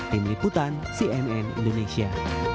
tim liputan cnn indonesia